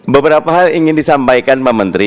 beberapa hal ingin disampaikan pak menteri